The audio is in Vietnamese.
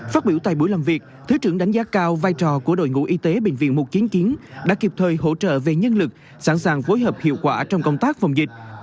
phát biểu tại buổi làm việc thứ trưởng đánh giá cao vai trò của đội ngũ y tế bệnh viện mục kiến kiến đã kịp thời hỗ trợ về nhân lực sẵn sàng phối hợp hiệu quả trong công tác phòng dịch